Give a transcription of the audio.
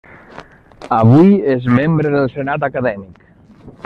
Avui és membre del Senat Acadèmic.